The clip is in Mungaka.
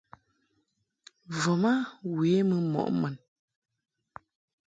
Voma we mɨ mɔʼ mun.